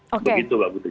begitu mbak butik